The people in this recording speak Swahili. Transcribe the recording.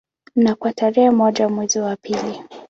Na kwa tarehe moja mwezi wa pili